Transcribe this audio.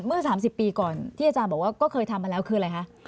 เมื่อ๓๐ปีก่อนที่อาจารย์บอกว่าก็เคยทำมาแล้วคืออะไรคะ